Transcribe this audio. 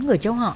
người châu họ